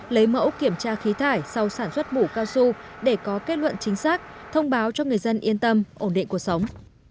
lấy mẫu kiểm tra khí thải sau sản xuất mũ cao su để có kết luận chính xác thông báo cho người dân yên tâm ổn định cuộc sống